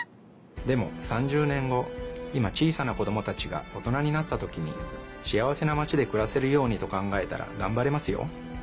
でも３０年後今小さな子どもたちが大人になったときにしあわせなマチでくらせるようにと考えたらがんばれますよ。